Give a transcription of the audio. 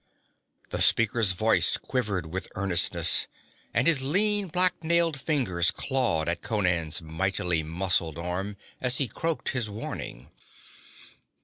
The speaker's voice quivered with earnestness and his lean, black nailed fingers clawed at Conan's mightily muscled arm as he croaked his warning.